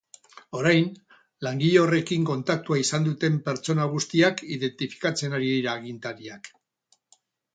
Orain, langile horrekin kontaktua izan duten pertsona guztiak identifikatzen ari dira agintariak.